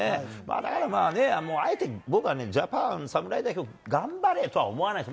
だからあえて僕はね、ジャパン、侍代表、頑張れとは思わないです。